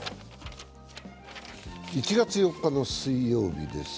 １月４日の水曜日です。